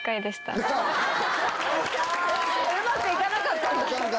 うまくいかなかったんだ。